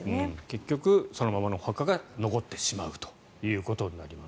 結局そのままのお墓が残ってしまうということになります。